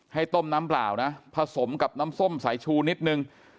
ให้ต้มน้ำเปล่านะผสมกับน้ำส้มสายชูนิดนึง